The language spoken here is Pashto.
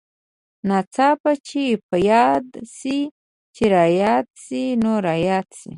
ناڅاپه چې په ياد سې چې راياد سې نو راياد سې.